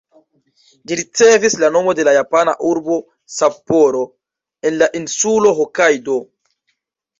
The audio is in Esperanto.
Ĝi ricevis la nomo de la japana urbo Sapporo, en la insulo Hokajdo.